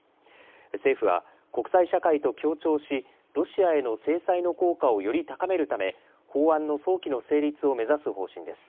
政府は国際社会と協調しロシアへの制裁の効果をより高めるため法案の早期の成立を目指す方針です。